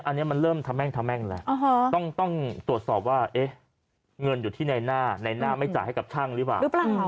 อันนี้มันเริ่มทะแม่งทะแม่งแล้วต้องตรวจสอบว่าเงินอยู่ที่ในหน้าในหน้าไม่จ่ายให้กับช่างหรือเปล่า